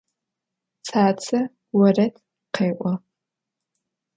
Tsatse vored khê'o.